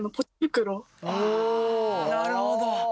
なるほど。